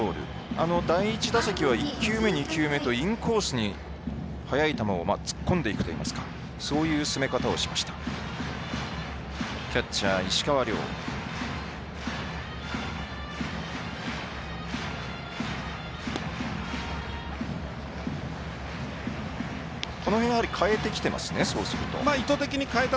あの第１打席は１球目２球目とインコースに速い球を突っ込んでいくといいますかそういう攻め方をしました。